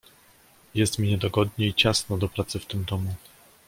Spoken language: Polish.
"jest mi niedogodnie i ciasno do pracy w tym domu."